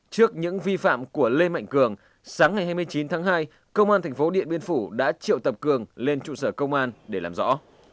trước những vi phạm của lê mạnh cường sáng ngày hai mươi chín tháng hai công an tp điện biên phủ đã triệu tập cường lên trụ sở công an để làm rõ